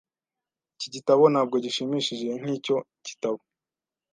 Iki gitabo ntabwo gishimishije nkicyo gitabo.